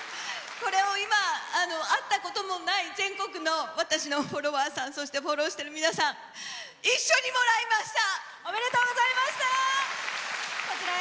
これを今、会ったこともない全国の私のフォロワーさんフォローしている皆さん一緒にもらいました！